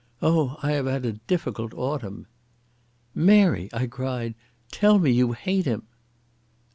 Oh, I have had a difficult autumn." "Mary," I cried, "tell me you hate him."